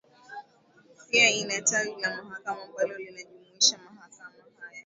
pia ina tawi la mahakama ambalo linajumuisha Mahakama ya